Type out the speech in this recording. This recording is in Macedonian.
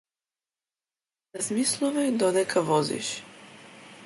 Размислувај додека возиш.